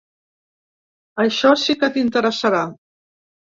Això sí que t’interessarà.